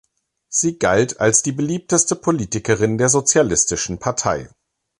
Sie galt als die beliebteste Politikerin der Sozialistischen Partei.